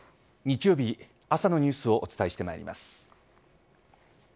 日曜日、朝のニュースをお伝えしてまいります。